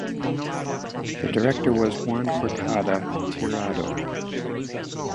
The director was Juan Cortada Tirado.